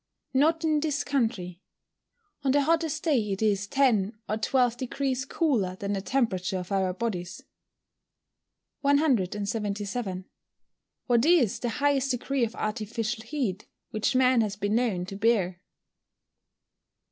_ Not in this country. On the hottest day it is 10 or 12 deg. cooler than the temperature of our bodies. 177. _What is the highest degree of artificial heat which man has been known to bear?